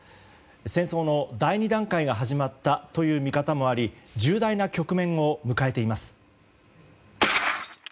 戦争の第２段階が始まったという見方もあり重大な局面を迎えています。